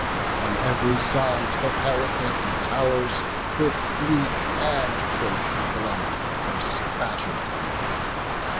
On ev'ry side the parapet and tow'rs With Greek and Trojan blood were spatter'd o'er.